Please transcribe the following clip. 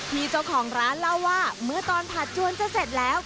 พี่เจ้าของร้านเล่าว่าเมื่อตอนผัดจวนจะเสร็จแล้ว